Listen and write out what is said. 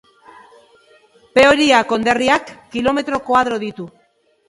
Peoria konderriak kilometro koadro ditu.